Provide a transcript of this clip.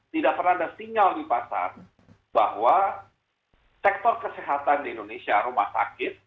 tidak pernah ada sinyal di pasar bahwa sektor kesehatan di indonesia rumah sakit